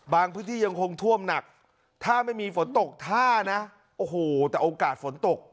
พื้นที่ยังคงท่วมหนักถ้าไม่มีฝนตกท่านะโอ้โหแต่โอกาสฝนตก